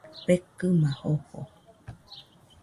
Fekɨma jofo.